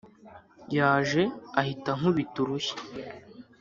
Yaje ahita ankubita urushyi